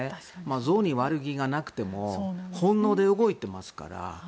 象に悪気がなくても本能で動いていますから。